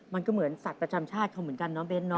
มันก็เหมือนสัตว์ประจำชาติเขาเหมือนกันเนาะเบ้นเนา